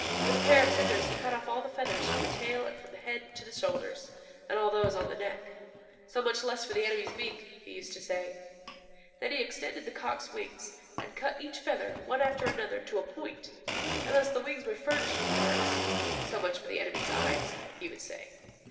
With a pair of scissors he cut off all the feathers from the tail and from the head to the shoulders, and all those on the neck. So much less for the enemy's beak, he used to say. Then he extended the cock's wings, and cut each feather, one after another, to a point, and thus the wings were furnished with darts. So much for the enemy's eyes, he would say.